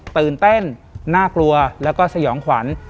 ตื่นเต้นน่ากลัวแล้วก็สยองขวัญ